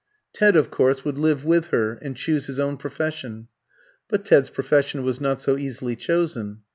Ted, of course, would live with her, and choose his own profession. But Ted's profession was not so easily chosen.